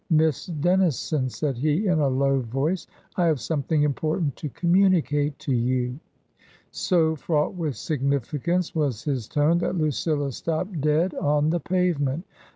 "Miss Dennison," said he, in a low voice, "I have something important to communicate to you." So fraught with significance was his tone that Lucilla stopped dead on the pavement.